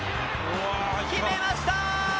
決めました！